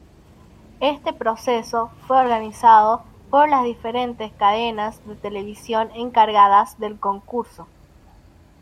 Este proceso fue organizado por las diferentes cadenas de televisión encargadas del concurso.